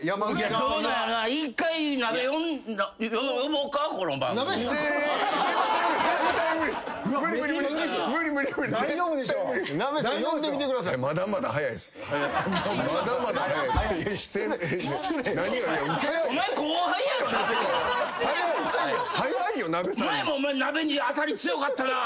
前もお前なべに当たり強かったなぁ。